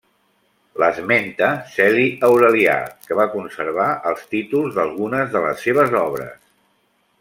L'esmenta Celi Aurelià que va conservar els títols d'algunes de les seves obres.